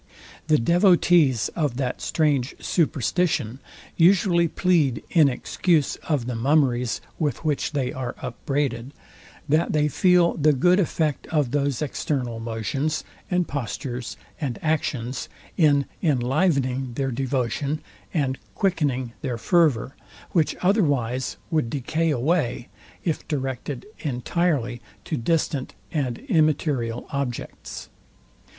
The devotees of that strange superstition usually plead in excuse of the mummeries, with which they are upbraided, that they feel the good effect of those external motions, and postures, and actions, in enlivening their devotion, and quickening their fervour, which otherwise would decay away, if directed entirely to distant and immaterial objects.